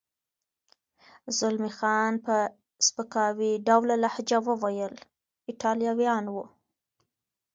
زلمی خان په سپکاوي ډوله لهجه وویل: ایټالویان و.